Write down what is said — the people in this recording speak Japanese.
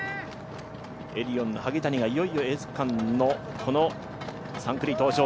エディオンの萩谷がいよいよエース区間のこの３区に登場。